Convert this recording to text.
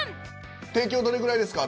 提供どれぐらいですか？